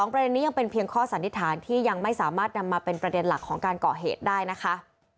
ประเด็นนี้ยังเป็นเพียงข้อสันนิษฐานที่ยังไม่สามารถนำมาเป็นประเด็นหลักของการก่อเหตุได้นะคะ